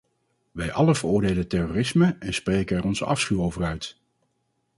Wij allen veroordelen terrorisme en spreken er onze afschuw over uit.